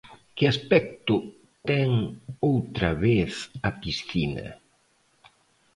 Que aspecto ten outra vez a piscina.